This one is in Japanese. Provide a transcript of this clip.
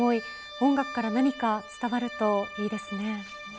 音楽から何か伝わるといいですね。